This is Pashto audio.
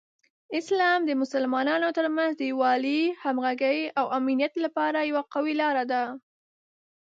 اسلام د مسلمانانو ترمنځ د یووالي، همغږۍ، او امنیت لپاره یوه قوي لاره ده.